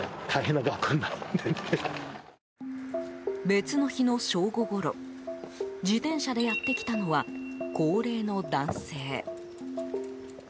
別の日の正午ごろ自転車でやってきたのは高齢の男性。